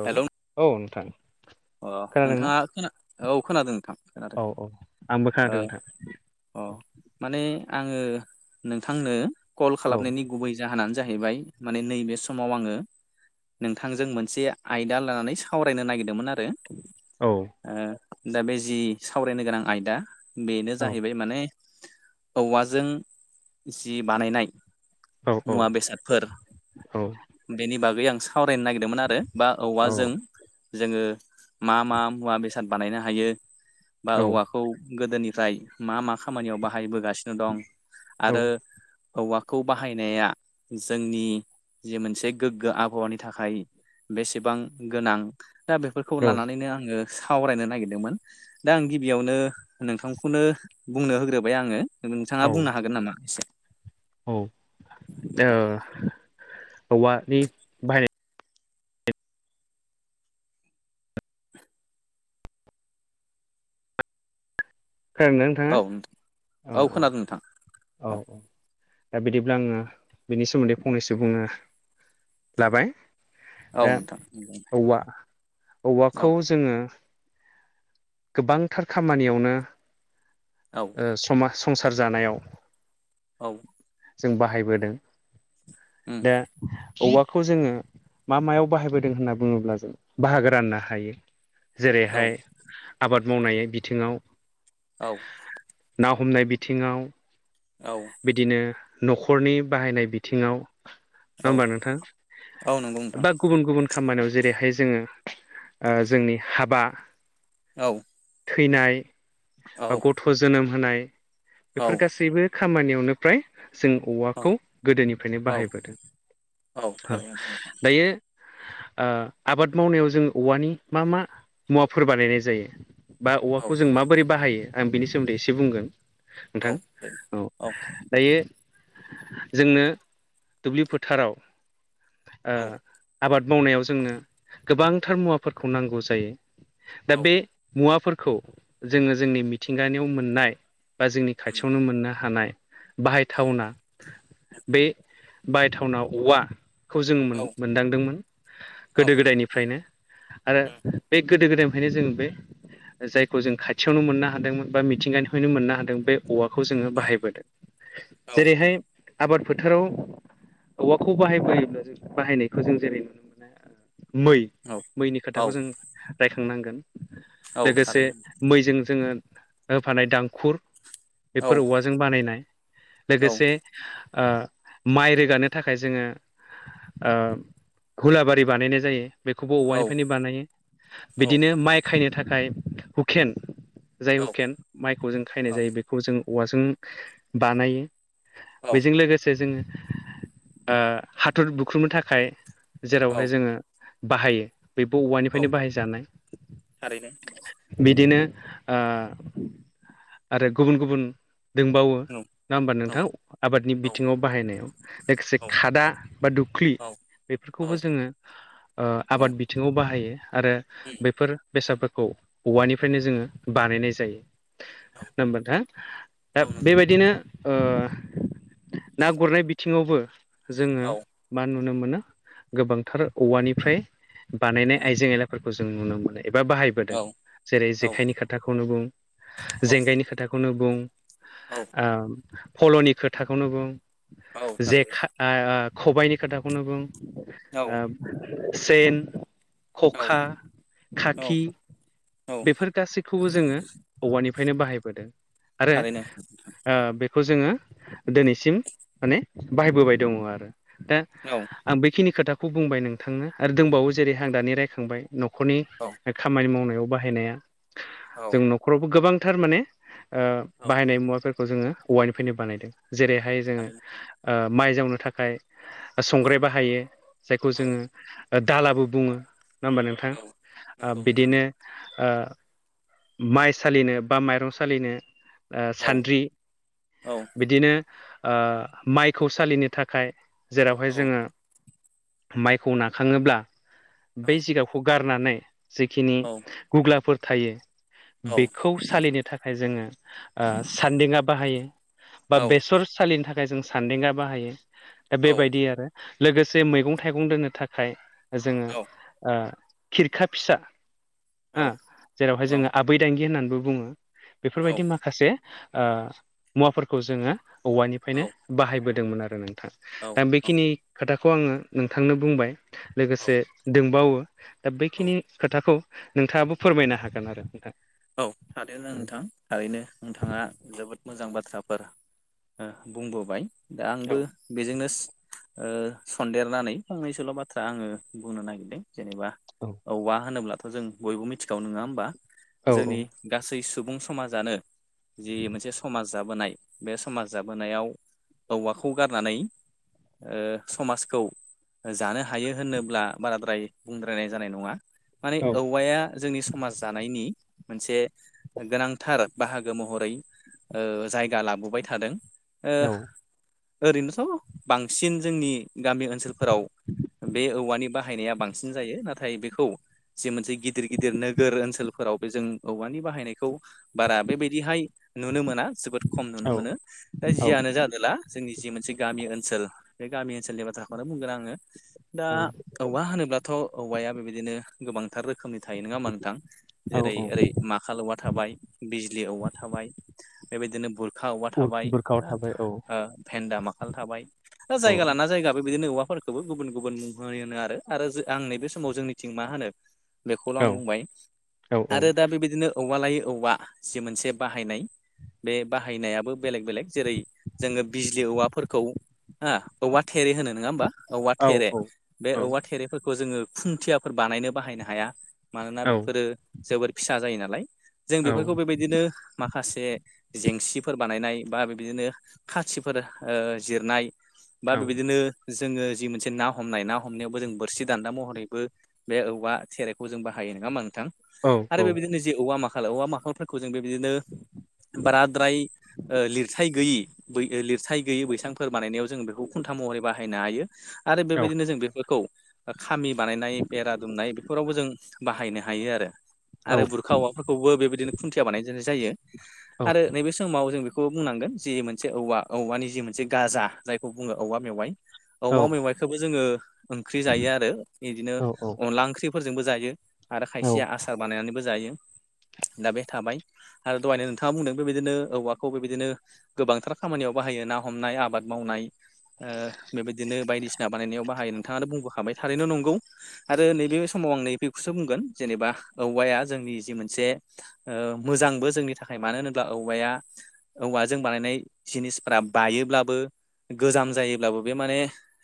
औ हेलौ औ नोंथां। अ खोनादोंना नोंथाङा खोन औ खोनादों नोंथां खोनादों। औ आंबो ओ खोनादों नोंथां। अ माने आङो नोंथांनो कल औ खालामनायनि गुबै जाहोनानो जाहैबाय माने नैबे समाव आङो। नोंथांजों मोनसे आयदा लानानै सावरायनो नागिरदोंमोन आरो। औ। दा बे जि सावरायनो गोनां आयदा बेनो औ जाहैबाय माने औवाजों जि बानायनाय। औ औ मुवा बेसादफोर बेनि बागै आं सावरायनो नागिरदों। मोन आरो बा औ औवाजों। जोङो मा मा मुवा बेसाद बानायनो हायो बा औवाखौ। गोदोनिफ्राय मा मा खामानियाव बाहायबोगासिनो दं औ आरो हौवाखौ बाहायनाया जोंनि जि मोनसे गोग्गो आबहावानि थाखाय। बेसेबां गोनां। दा बेफोरखौ लानानैनो आङो सावरायनो नागिरदोंमोन दा आं गिबियावनो। नोंथांखौनो बुंनो होग्रोबाय आङो नोंथाङा बुंनो हागोन नामा एसे। औ औवानि बाहायनाय। खोनादों ना औ नोंथाङा औ औ। खोनादों नोंथां औ औ दा बिदिब्ला आङो बेनि सोमोन्दै फंनैसो बुंनो। लाबाय। औ दा नोंथां। औवा औ औवाखौ जोङो। गोबांथार खामानियावनो। औ ओ‌ समाज संसार जानायाव औ जों बाहायबोदों उम दा औवाखौ जोङो मा मायाव बाहायबोदों होनना बुङोब्ला जों बाहागो राननो हायो औ जेरैहाय आबाद मावनाय बिथिंआव औ ना हमनाय बिथिंआव औ बिदिनो न'खरनि बाहायनाय बिथिंआव नङा औ होमबा नोंथां औ नंगौ नोंथां बात गुबुन गुबुन खामानिआव जेरैहाय जोङो ओ जोंनि हाबा औ थैनाय ओ औ गथ' जोनोम होनाय औ बेफोर गासैबो खामानिआवनो फ्राय जों औ औवाखौ गोदोनिफ्रायनो औ बाहायबोदों औ ओह थारैनो नोंथां दायो ओ आबाद मावनायाव जों औवानि मा मा मुवाफोर बानायनाय जायो बा औ औवाखौ जों माबोरै बाहायो आं बिनि सोमोन्दै एसे बुंगोन औ नोंथां औ थारैनो दायो जोंओ दुब्लि फोथाराव ओ औ आबाद मावनायाव जोंनो गोबांथार मुवाफोरखौ नांगौ जायो दा औ बे मुवाफोरखौ जोङो जोंनि मिथिंगानिआव मोननाय बा जोंनि उम खाथिआवनो मोननो हानाय औ बाहायथावना बे बाहायथावना औवा खौ जों औ मोनदांदोंमोन गोदो गोदायनिफ्रायनो आरो उम बे गोदो गोदायनि बेखायनो जों बे जायखौ जों खाथियावनो मोननो हादोंमोन बा मिथिंगानिफ्रायनो मोननो हादों बे औवाखौ जों औ बाहायबोदों हो औ जेरैहाय आबाद फोथाराव औवाखौ बाहायबोब्ला जों बाहायनायखौ जों जेरै नुनो मोनो ओ मै मैनि औ खोथाखौ जों रायखांनांगोन औ लोगोसे थारैनो मैजों जोङो होफानाय दांखुर औ फोर औवाजों बानायनाय औ लोगोसे ओ माइ रोगानो थाखाय जोङो ओ‌ घुलाबारि बानायनाय जायो बेखौबो औ औवानिफ्रायनो बानायो हो बिदिनो माइ खायनो थाखाय हुकेन जाय हुकेन माइखौ जों खायनाय जायो बेखौ जों औवाजों बानायो हो औ बेजों लोगोसे जोङो हाथर बुख्रुबनो थाखाय जेरावहाय जोङो बाहायो बेबो औ औवानिफ्रायनो बाहायजानाय थारैनो बिदिनो ओ आरो गुबुन गुबुन दंबावो औ नङा होमबा औ नोंथां आबादनि औ बिथिंआव बाहायनायाव लोगोसे औ खादा बा दुख्लि बेफोरखौबो जोङो ओ आबाद बिथिंआव बाहायो आरो औ औ उम बेफोर बेसादफोरखौ औवानिफ्रायनो जोङो बानायनाय जायो नङा होमब्ला नोंथां दा बेबायदिनो ओ ना गुरनाय बिथिंआवबो जोङो मा नुनो मोनो गोबांथार औवानिफ्राय बानायनाय औ आइजें आइलाफोरखौ जों नुनो मोनो एबा बाहाय बाहायबोदों औ जेरै उम औ जेखाइनि खोथाखौनो बुं औ औ जेंगाइनि खोथाखौनो बुं औ ओ फल'नि खोथाखौनो बुं औ थारैनो जेखा ओह खबायनि खोथाखौनो बुं औ ओ सेन औ औ ख'खा थारैनो औ खाखि बेफोर गासैखौबो जोङो औवानिफानो बाहायबोदों औ आरो ओ बेखौ जोङो दिनैसिम माने बाहायबोबाय दङ आरो दा औ आं बेखिनि खोथाखौ बुंबाय नोंथांनो आरो दंबावो जेरै आं दानि रायखांबाय न'खरनि औ ओ‌ खामानि मावनायाव बाहायनाया औ जों नख न'खरावबो गोबांथार माने ओ बाहायनाय मुवाफोरखौ जोङो औवानिफ्रायनो बानायदों जेरैहाय जोङो थारैनो ओ माइ जावनो थाखाय औ संग्राय बाहायो जायखौ औ जोङो ओ दालाबो बुङो नङा होमबा नोंथां नंगौ नंगौ बिदिनो ओ माइ सालिनो बा माइरं सालिनो ओ सान्द्रि औ बिदिनो ओ माइखौ सालिनो थाखाय जेरावहाय औ जोङो माइखौ नाखाङोब्ला औ बै जिगाबखौ गार नानै जिखिनि औ गुग्लाफोर थायो औ बेखौ सालिनो थाखाय जोङो ओ सान्देङा बाहायो औ बा बेसर सालिनि थाखाय जों सान्देङा बाहायो दा औ बेबायदि आरो लोगोसे मैगं थाइगं दोननो थाखाय जोङो ओ खिरखा फिसा औ आ जेरावहाय औ जोङो आबैदांगि होननानैबो बुङो बेफोरबायदि औ माखासे खासे ओ मुवाफोरखौ जोङो औवानिफ्रायनो बाहायबोदोंमोन आरो नों औ दा बेखिनि खोथाखौ आङो नोंथांनो बुंबाय लोगोसे दोंबावो दा बैखिनि खोथाखौ नोंथाङाबो फोरमायनो हागोन आरो नोंथां औ खोनादोंना नोंथां थारैनो नोंथाङा जोबोद मोजां बाथ्राफोर बुंबोबाय दा औ आंबो बेजोंनो ओ सन्देरनानै फंनैसोल' बाथ्रा आङो बुंनो नागिरदों जेनेबा औ औवा होनोब्लाथ' जों बयबो मिथिखागौ नङा होमबा औ जोंनि गासै सुबुं समाजानो जि मोनसे समाज जाबोनाय बे समाज जाबोनायाव औवाखौ गारनानै ओ समाजखौ जानो हायो होनोब्ला बाराद्राय बुंद्रायनाय जानाय नङा माने औवाया जोंनि समाज जानायनि मोनसे गोनांथार बाहागो महरै ओ जायगा लाबोबाय थादों ओ ओरैनोथ' बांसिन जोंनि गामि ओनसोलफोराव बे औवानि बाहायनाया बांसिन जायो नाथाय बेखौ जे मोनसे गिदिर गिदिर नोगोर ओनसोलफोराव जों औवानि बाहायनायखौ बारा बेबायदिहाय नुनो मोना जोबोद खम नुनो मोनो दा जियानो जा दोला जोंनि जि मोनसे गामि ओनसोल बे गामि ओनसोलनि बाथ्राखौनो बुंगोन आङो दा औ औवा होनोब्लाथ' औवाया बेबायदिनो गोबांथार रोखोमनि थायो नङा होमबा नोंथां औ जेरै ओरै माखाल औवा थाबाय बिजलि औवा थाबाय बेबायदिनो बुर खा औवा औ थाबाय बुरखाव थाबाय औ ओ भेन्दा माखाल थाबाय औ जायगा लाना जायगा बेबादिनो औवाफोर खौबो गुबुन गुबुन मुं होनो आरो आं नैबे समाव जोंनिथिं मा होनो बेखौल' आं औ बुंबाय औ आरो दा बेबायदिनो औवा लायै औवा जि मोनसे बाहायनाय बे बाहायनायाबो बेलेग बेलेग जेरै जोङो बिजलि औवाफोरखौ आ औवा थेरे होनो नङा होमबा औवा औ थेरे बे औ औवा थेरेफोरखौ जोङो खुन्थियाफोर बानायनो बाहायनो हाया मानोना औ बेफोरो जोबोर फिसा जायो नालाय जों औ बेफोरखौ बेबायदिनो मा खासे जेंसिफोर बानायनाय बा बिबादिनो खाथिफोर ओ जिरनाय बा बेबायदिनो जोङो जि मोनसे ना हमनाय ना हमनायावबो जों बोरसि दान्दा महरैबो बे औवा थेरेखौ जों बाहायो नङा होमबा नोंथां आरो बेबायदिनो जे औवा माखाल औवा माखालफोरखौ जों बेबायदिनो बाराद्राय लिरथाय गैयि लिरथाय गैयै बैसांफोर बानायनायाव जों बेखौ खुन्था महरै बाहायनो हायो आरो औ बेबायदिनो जों बेफोरखौ खामि बानायनाय बेरा दुमनाय बेफोरावबो जों बाहायनो हायो आरो औ आरो बुरखा औवाफोरखौबो बेबायदिनो खुन्थिया बानायनाय जायो औ आरो नैबे समाव जों बे खौबो बुंनांगोन जि मोनसे औवा औवानि जि मोनसे गाजा जायखौ बुङो औवा मेवाइ औ औमा मैवाइखौबो जोङो ओंख्रि जायो आरो बिदिनो औ अनला ओंख्रि फोरजोंबो जायो आरो औ खायसेया आसार बानायनानैबो जायो दा बे थाबाय आरो दहायनो नोंथाङा बुंदों बेबायदिनो औवाखौ बेबायदिनो गोबांथार खामानियाव बाहायो ना हमनाय आबाद मावनाय बेबायदिनो बायदिसिना बानायनायाव बाहायो नोंथाङानो बुंबोखाबाय थारैनो नंगौ आरो नैबे समाव आं नैबेखौसो बुंगोन जेनेबा औवाया जोंनि जि मोनसे मोजांबो जोंनि थाखाय मानो होनोब्ला औवाया औवा जों बानायनाय जिनिसफोरा बायोब्लाबो गोजाम जायोब्लाबो बे माने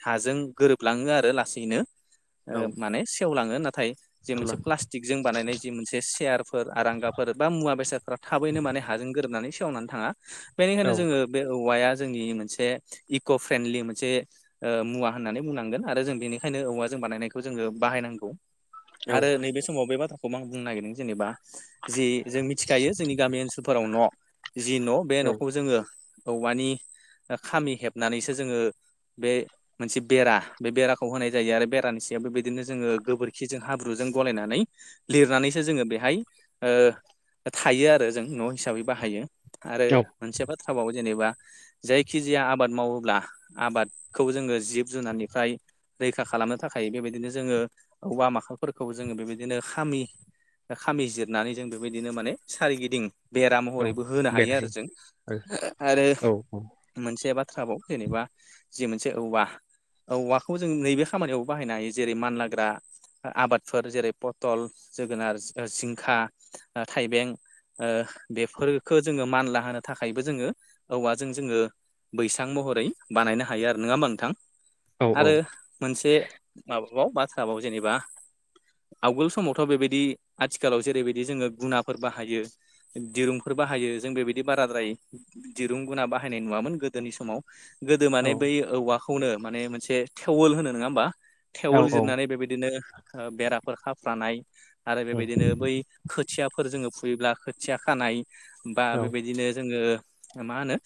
हाजों गोरोबलाङो आरो लासैनो औ ओ माने सेवलाङो नाथाय जे अब्ला मोनसे प्लास्टिक जों बानायनाय जि मोनसे सेयारफोर आरांगाफोर बा मुवा बेसादफोरा थाबैनो माने हाजों गोरोबनानै सेवनानै थाङा बेनिखायनो औ जोङो बे औवाया जोंनि मोनसे इक फ्रेन्डलि मोनसे मुवा होननानै बुंनांगोन आरो जों बेनिखायनो औवा जों बानायनायखौ जोङो बाहायनांगौ औ आरो नैबे समाव बे बाथ्राखौबो आं बुंनो नागिरदों जेनेबा जि जों मिथिखायो जोंनि गामि ओनसोलफोराव न' जि न' बे औ न'खौ जोङो औवानि खामि हेबनानैसो जोङो बे मोनसे बेरा बे बेराखौ होनाय जायो आरो बेरानि सायाव बे बिदिनो जोङो गोबोरखिजों हाब्रुजों गलायनानै लिरनानैसो जोङो बेहाय थायो आरो जों न' हिसाबै बाहायो आरो औ मोनसे बाथ्राबाव जेनेबा जायखिजाया आबाद मावोब्ला आबादखौ जोङो जिब जुनारनिफ्राय रैखा खालामनो थाखाय बेबायदिनो जोङो औवा माखालफोरखौबो जोङो बेबायदिनो बिदिनो खामि खामि जिरनानै जों बेबायदिनो माने सोरिगिदिं बेरा औ महरैबो होनो हायो बेरायहै आरो जों औ आरो औ मोनसे बाथ्राबाव जेनेबा जि मोनसे औवा औवाखौ जों नैबे खामानियाव बाहायनो हायो जेरै मानलाग्रा आबादफोर जेरै पथल जोगोनार जिंखा थाइबें ओ बेफोरफोरखौ जोङो मानला होनो थाखायबो जोङो औवाजों जोङो बैसां महरै बानायनो हायो आरो नङा होमा नोंथां औ आरो मोनसे माबाबाव बाथ्राबाव जेनेबा आवगोल समावथ बेबायदि आथिखालाव जेरैबायदि जोङो गुनाफोर बाहायो दिरुंफोर बाहायो जों बेबायदि बाराद्राय दिरुं गुना बाहायनाय नुवामोन गोदोनि समाव गोदो माने बै औवाखौनो माने मोनसे थेवोल होनो नङा होमबा औ थेवल जिरनानै बेबायदिनो बेराफोर खाफ्रानाय आरो औ बेबायदिनो बै खोथियाफोर जोङो फुयोब्ला खोथिया खानाय बा औ बेबायदिनो जोङो मा होनो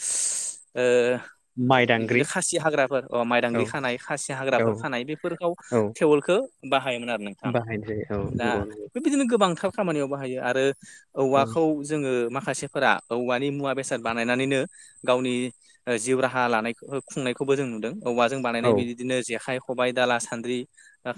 ओ माइ इदिनो दांग्रि खासि हाग्राफोर अ माइदांग्रि औ खानाय खासि हाग्राफोर औ खानाय बेफोरखौ औ टेबोलखो बाहायोमोन आरो नों बाहायनाय जायो औ दा नंगौ नंगौ बेबायदिनो गोबांथार खामानियाव बाहायो आरो औ औवाखौ जोङो माखासे फोरा औवानि मुवा बेसाद बानायनानैनो गावनि जिउ राहा लानायखौ खुंनायखौबो जों नुदों औवाजों औ बानायनाय बेदिदिनो जेखाइ खबायाइ दाला सान्द्रि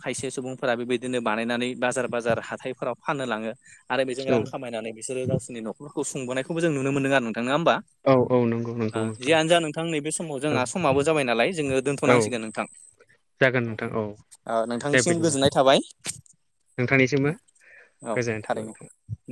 खायसे सुबुंफोरा बेबायदिनो बानायनानै बाजार बाजार हाथायफोराव फाननो लाङो आरो बेजों औ रां खामायनानै बिसोरो गावसिनि न' रखौ सुबोनायखौ जों नुनो मोनदों आरो नोंथाङा होमबा औ औ नंगौ ओ नंगौ नोंथां जियानो जा नोंथां नैबे समाव औ जोंहा समाबो जाबाय नालाय जोङो औ दोन्थनांसिगोन नोंथां जागोन नोंथां औ आ दे नोंथांनिसिम बिदिब्ला गोजोननाय थाबाय नोंथांनिसिमबो औ गोजोननाय थारैनो थाबाय नोंथां